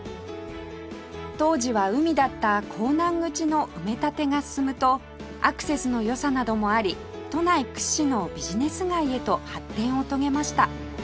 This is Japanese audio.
当時は海だった港南口の埋め立てが進むとアクセスの良さなどもあり都内屈指のビジネス街へと発展を遂げました